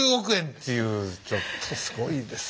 っていうちょっとすごいですね。